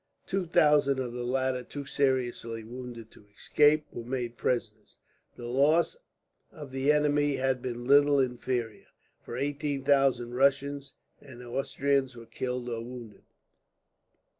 Two thousand of the latter, too seriously wounded to escape, were made prisoners. The loss of the enemy had been little inferior, for eighteen thousand Russians and Austrians were killed or wounded.